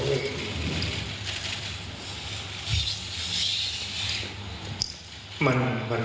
แล้วยืนติ๋วตัวเอง